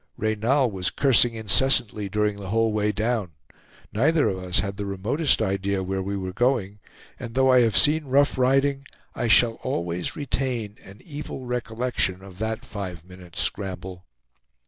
Reynal was cursing incessantly during the whole way down. Neither of us had the remotest idea where we were going; and though I have seen rough riding, I shall always retain an evil recollection of that five minutes' scramble.